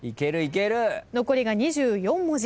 残りが２４文字。